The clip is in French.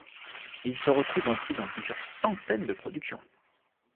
Il se retrouve ainsi dans plusieurs centaines de productions.